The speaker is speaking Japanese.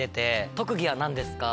「特技は何ですか？